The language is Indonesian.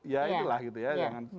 ya inilah gitu ya